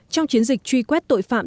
trong chiến dịch truy quét tội phạm